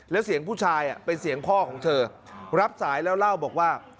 แล้วเสียงผู้ชายเป็นเสียงพ่อของเธอรับสายแล้วเล่าบอกว่า